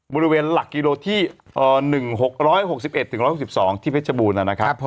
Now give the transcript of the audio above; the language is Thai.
บริเวณหลักกิโลที่๑๖๖๑๑๖๒ที่เพชรบูรณนะครับ